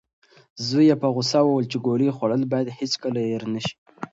زوی یې په غوسه وویل چې ګولۍ خوړل باید هیڅکله هېر نشي.